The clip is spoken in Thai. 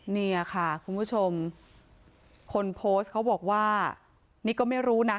เนี่ยค่ะคุณผู้ชมคนโพสต์เขาบอกว่านี่ก็ไม่รู้นะ